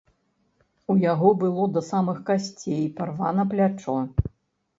У яго было да самых касцей парвана плячо.